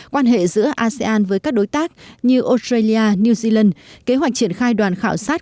quan hệ giữa asean với các đối tác như australia new zealand kế hoạch triển khai đoàn khảo sát